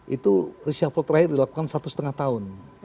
itu reshuffle terakhir dilakukan satu setengah tahun